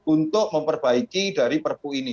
untuk memperbaiki dari perpu ini